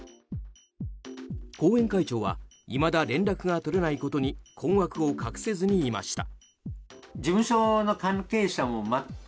後援会長はいまだ連絡が取れないことに困惑を隠せずにいました。